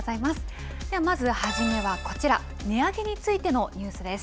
ではまず初めはこちら、値上げについてのニュースです。